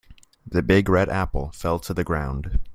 The big red apple fell to the ground.